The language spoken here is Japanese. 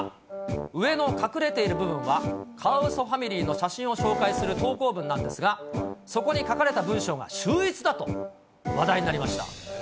上の隠れている部分は、カワウソファミリーの写真を紹介する投稿文なんですが、そこに書かれた文章が秀逸だと話題になりました。